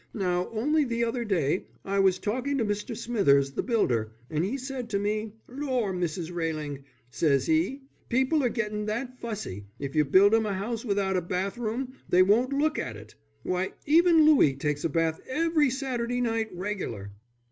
Now, only the other day I was talking to Mr. Smithers, the builder, an' he said to me: 'Lor, Mrs. Railing,' says he, 'people are getting that fussy, if you build 'em a house without a bath room they won't look at it.' Why, even Louie takes a bath every Saturday night regular."